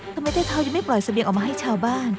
ทำไมตัวเท้ายังไม่ปล่อยเสบียงออกมาให้ชาวบ้าน